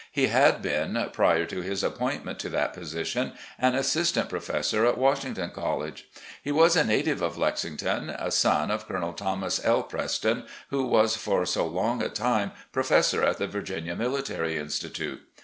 He had been, prior to his appointment to that position, an assistant pro fessor at Washington College. He was a native of Lex ington, a son of Colonel Thomas L. Preston, who was for so long a time professor at the Virginia Military Institute.